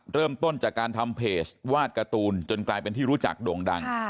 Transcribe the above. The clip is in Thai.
เริ่มต้นจากการทำเพจวาดการ์ตูนจนกลายเป็นที่รู้จักโด่งดัง